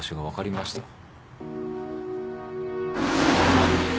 分かりました。